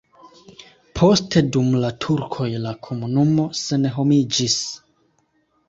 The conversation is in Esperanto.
Poste dum la turkoj la komunumo senhomiĝis.